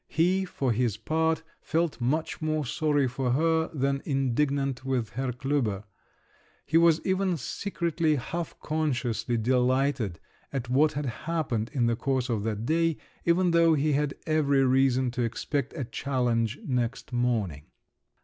He, for his part, felt much more sorry for her than indignant with Herr Klüber; he was even secretly, half consciously, delighted at what had happened in the course of that day, even though he had every reason to expect a challenge next morning.